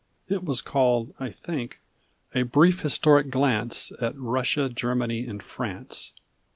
It was called, I think, "A Brief Historic Glance At Russia, Germany, and France."